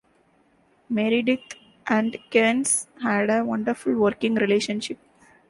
Meredith and Kerns had a wonderful working relationship.